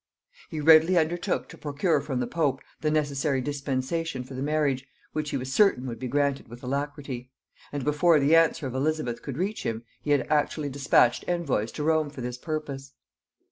He readily undertook to procure from the pope the necessary dispensation for the marriage, which he was certain would be granted with alacrity; and before the answer of Elizabeth could reach him, he had actually dispatched envoys to Rome for this purpose.